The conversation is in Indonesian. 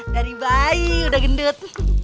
dari bayi udah gendut